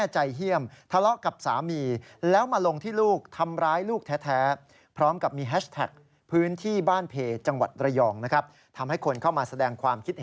จังหวัดระยองนะครับ